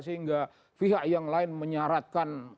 sehingga pihak yang lain menyaratkan